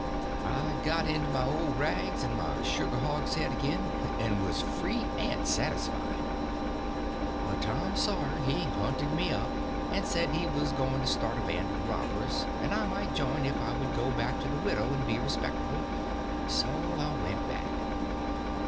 I got into my old rags and my sugar hogshead again, and was free and satisfied. But Tom Sawyer he hunted me up and said he was going to start a band of robbers, and I might join if I would go back to the widow and be respectable. So I went back.